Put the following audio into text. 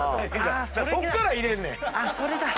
そっから入れんねん。